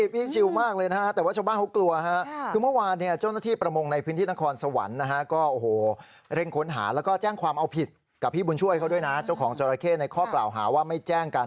พี่เขาก็ว่ายังไงเดี๋ยวฟังพี่บุญช่วยเขาน่ะ